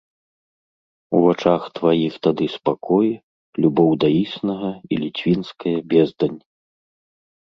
У вачах тваіх тады спакой, любоў да існага і ліцвінская бездань.